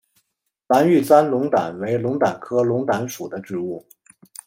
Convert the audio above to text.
蓝玉簪龙胆为龙胆科龙胆属的植物。